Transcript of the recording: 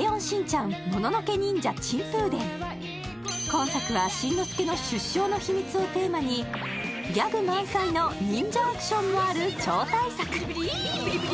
今作は、しんのすけの出生の秘密をテーマにギャグ満載の忍者アクションもある超大作。